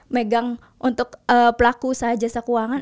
megang untuk pelaku usaha jasa keuangan